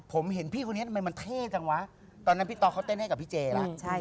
ผมเห็นพี่คนนี้ทำไมมันเท่จังวะตอนนั้นพี่ต๊อกเขาเต้นให้กับพี่เจแล้ว